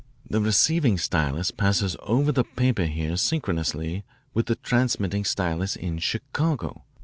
The receiving stylus passes over the paper here synchronously with the transmitting stylus in Chicago.